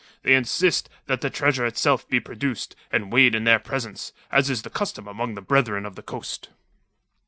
They insist that the treasure itself be produced and weighed in their presence, as is the custom among the Brethren of the Coast."